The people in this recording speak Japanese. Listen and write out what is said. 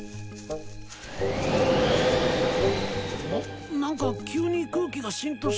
何か急に空気がしんとしたような。